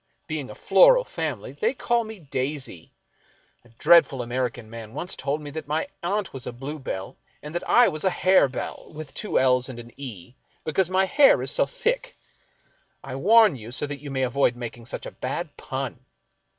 Being a floral family, they call me Daisy. A dreadful American man once told me that my aunt Vv'as a Bluebell and that I was a Harebell — with two I's and an e — because my hair is so thick. I warn you, so that you may avoid making such a bad pun."